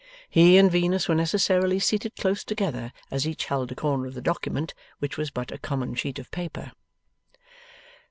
He and Venus were necessarily seated close together, as each held a corner of the document, which was but a common sheet of paper.